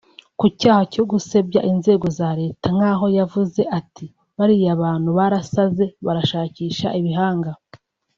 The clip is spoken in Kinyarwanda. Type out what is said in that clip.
Ku cyaha cyo gusebya inzego za leta nk’aho yavuze ati “bariya bantu barasaze barashakisha ibihanga”